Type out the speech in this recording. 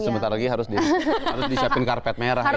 ini sebentar lagi harus disiapin karpet merah